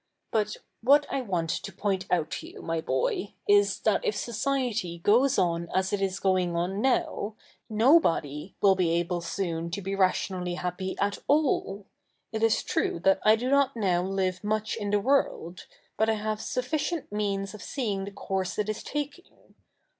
But what I want to poi7it out to you, 77iy boy, is, that if society goes on as it is goi7ig 07i 7iow, nobody will be able soo7i to be ratio7ially happy at all. It is true that I do not now live 7nuch in the world; but I have sufficient means of seeing the course it is taki7ig.